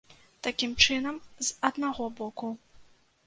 Такім чынам, з аднаго боку.